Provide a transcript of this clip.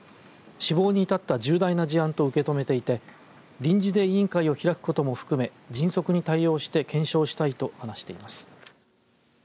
死亡に至った重大な事案と受け止めていて臨時で委員会を開くことも含め迅速に対応して検証したいと話しています。